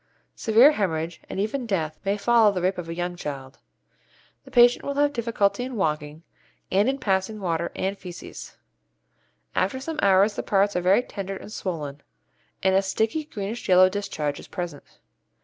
Severe hæmorrhage, and even death, may follow the rape of a young child. The patient will have difficulty in walking, and in passing water and fæces. After some hours the parts are very tender and swollen, and a sticky greenish yellow discharge is present.